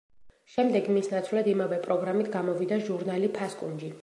შემდეგ მის ნაცვლად იმავე პროგრამით გამოვიდა ჟურნალი „ფასკუნჯი“.